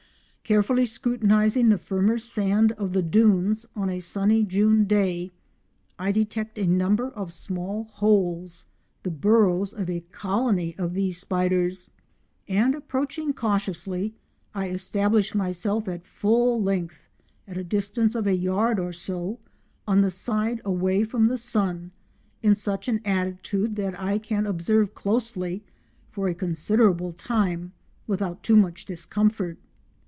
Carefully scrutinising the firmer sand of the dunes on a sunny June day, I detect a number of small holes—the burrows of a colony of these spiders—and approaching cautiously I establish myself at full length at a distance of a yard or so on the side away from the sun, in such an attitude that I can observe closely for a considerable time without too much discomfort.